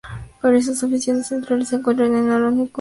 Sus oficinas centrales se encuentran en Narón, A Coruña, España.